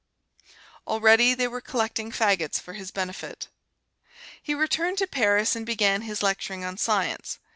Already they were collecting fagots for his benefit. He returned to Paris and began his lecturing on Science.